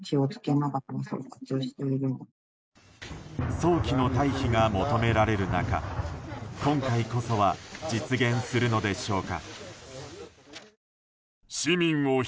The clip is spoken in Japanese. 早期の退避が求められる中今回こそは実現するのでしょうか。